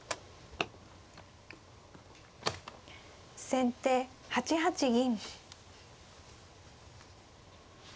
先手８八銀。